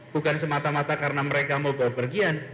bukan semata mata karena mereka mau bawa pergian